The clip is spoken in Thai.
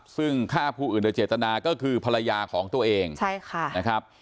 ซึ่งฆ่าผู้อื่นโดยเจตนาก็คือภรรยาของตัวเองใช่ค่ะนะครับ